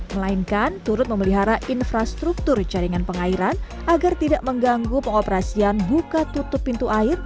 melainkan turut memelihara infrastruktur jaringan pengairan agar tidak mengganggu pengoperasian buka tutup pintu air